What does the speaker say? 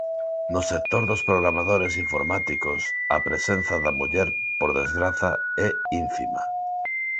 No sector dos programadores informáticos, a presenza da muller por desgraza é ínfima.